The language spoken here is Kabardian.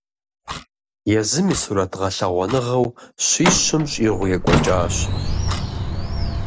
Езым и сурэт гъэлъэгъуэныгъэу щищым щӀигъу екӀуэкӀащ.